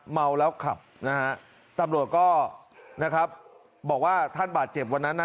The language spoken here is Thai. เมาแล้วขับนะฮะตำรวจก็นะครับบอกว่าท่านบาดเจ็บวันนั้นนะ